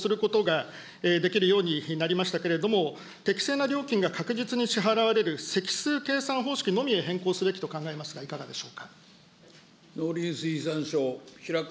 農水省においては、ことしからこれを見直し、選択制とすることができるようになりましたけれども、適正な料金が確実に支払われる、積数計算方式のみに変更すべきと考えますが、いかがでしょうか。